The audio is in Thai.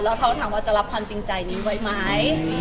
แล้วเขาถามว่าจะรับความจริงใจนี้ไว้ไหม